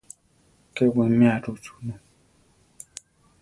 Ke wiméa ru sunú.